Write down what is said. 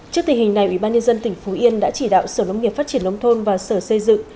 trước tình hình này ubnd tỉnh phú yên đã chỉ đạo sở nông nghiệp phát triển nông thôn và sở xây dựng